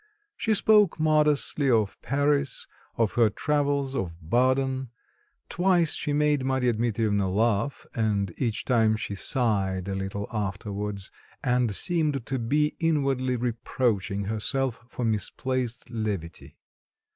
She spoke modestly of Paris, of her travels, of Baden; twice she made Marya Dmitrievna laugh, and each time she sighed a little afterwards, and seemed to be inwardly reproaching herself for misplaced levity.